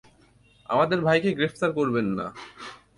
আমাদের ভাইকে গ্রেফতার করবেন না!